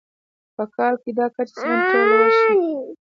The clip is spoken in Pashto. په کال کې دا کچه سلنې ته لوړه شوه.